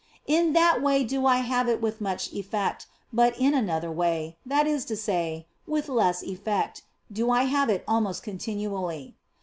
In that way do I have it with much effect, but in another way that is to say, with less effect do I have it almost continually.